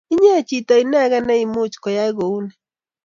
Inye chito inekey neimuch koyai kouni.